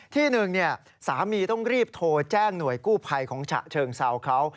ที่หนึ่งสามีต้องรีบโทรแจ้งหน่วยกู้ภัยของฉะเชิงเซาเขา